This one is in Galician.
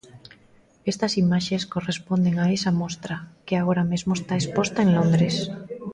Estas imaxes corresponden a esa mostra, que agora mesmo está exposta en Londres.